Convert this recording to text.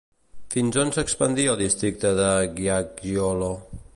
Fins on s'expandia el districte de Ghiaggiolo?